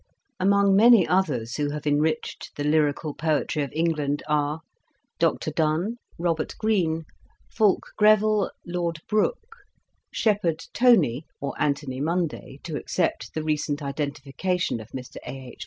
Among many others who have enriched the 15 Introduction. lyrical poetry of England are Dr Donne; Robert Greene ; Fulk Greville, Lord Brooke ; "Shepherd Tonie" (or Anthony Munday, to accept the recent identification of Mr A. H.